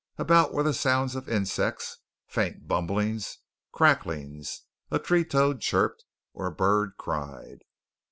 About were the sounds of insects, faint bumblings, cracklings. A tree toad chirped, or a bird cried.